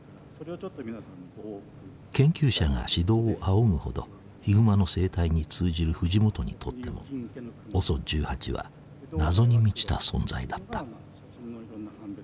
研究者が指導を仰ぐほどヒグマの生態に通じる藤本にとってもＯＳＯ１８は謎に満ちた存在だった。